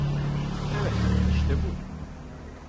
Evet, işte bu.